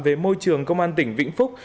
về môi trường công an tỉnh vĩnh phúc